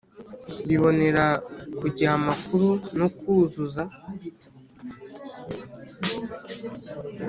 bibonera ku gihe amakuru no kuzuza